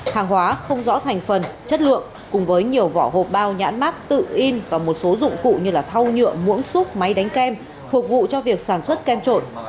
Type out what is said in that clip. hàng hóa không rõ thành phần chất lượng cùng với nhiều vỏ hộp bao nhãn mát tự in và một số dụng cụ như thau nhựa mũ máy đánh kem phục vụ cho việc sản xuất kem trộn